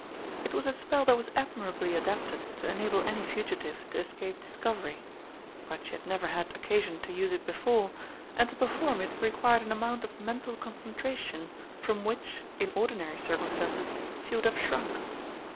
It was a spell that was admirably adapted to enable any fugitive to escape discovery, but she had never had occasion to use it before, and to perform it required an amount of mental concentration from which, in ordinary circumstances, she would have shrunk.